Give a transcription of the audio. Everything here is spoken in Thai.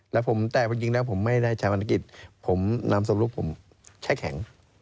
แล้วผมแตกวันจริงแล้วผมไม่ได้ทำภารกิจผมนำสอบรูปผมแช่แข็ง